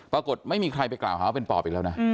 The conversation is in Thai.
ปรากฏไม่มีใครไปกล่าวหาว่าเป็นปอบอีกแล้วนะ